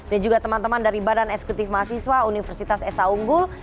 dan juga teman teman dari badan eksekutif mahasiswa universitas esa unggul